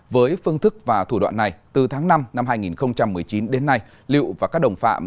với phương thức và thủ đoạn này từ tháng năm năm hai nghìn một mươi chín đến nay liệu và các đồng phạm